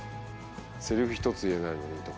せりふ一つ言えないのにとか。